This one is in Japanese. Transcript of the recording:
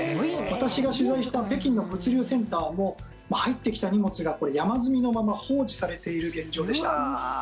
私が取材した北京の物流センターも入ってきた荷物が山積みのまま放置されている現状でした。